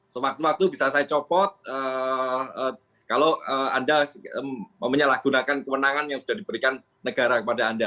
sewaktu waktu bisa saya copot kalau anda menyalahgunakan kewenangan yang sudah diberikan negara kepada anda